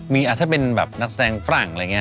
มีถ้าเป็นแบบนักแสดงฝรั่งอะไรอย่างนี้